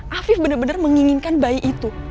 afif benar benar menginginkan bayi itu